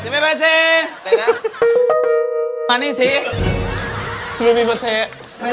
มานี่เสีย